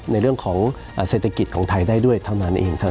ในเรื่องของเศรษฐกิจของไทยได้ด้วยเท่านั้นเองเท่านั้น